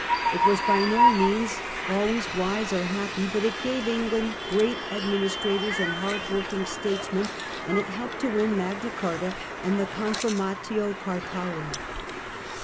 It was by no means always wise or happy, but it gave Eng land great administrators and hardworking statesmen, and it helped to win Magna Carta and the Confirmatio Cartarum.